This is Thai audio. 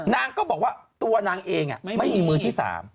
นางก็บอกว่าตัวนางเองไม่มีมือที่๓